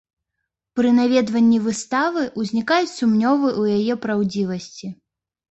Пры наведванні выставы ўзнікаюць сумневы ў яе праўдзівасці.